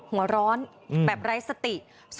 หัวร้อนแบบไร้สติ